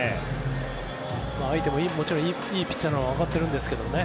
相手ももちろんいいピッチャーなのはわかっているんですけどね。